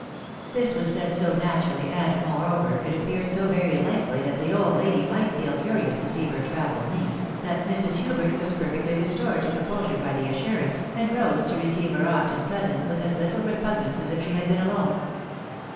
This was said so naturally, and, moreover, it ap peared so very hkely that the old lady might feel curious to see her travelled niece, that Mrs. Hubert was perfectly restored to composure by the assurance, and rose to receive her aunt and cousin with as little repugnance as if she had been alone.